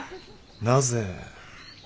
なぜ。